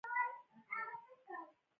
سانتیاګو په کلیسا کې خزانه مومي.